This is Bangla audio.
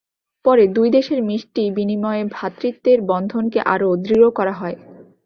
পরে দুই দেশের মিষ্টি বিনিময়ে ভ্রাতৃত্বের বন্ধনকে আরও দৃঢ় করা হয়।